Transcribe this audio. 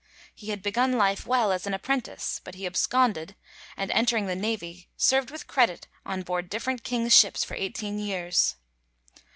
He had begun life well, as an apprentice, but he absconded, and entering the navy, "served with credit on board different kings' ships for eighteen years."